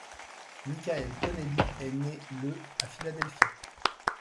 Michael Connelly est né le à Philadelphie.